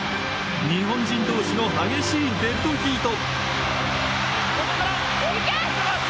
日本人同士の激しいデッドヒート。